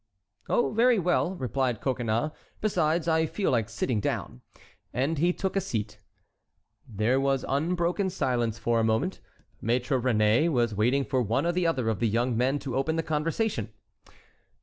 "Oh, very well," replied Coconnas; "besides, I feel like sitting down." And he took a seat. There was unbroken silence for a moment—Maître Réné was waiting for one or the other of the young men to open the conversation.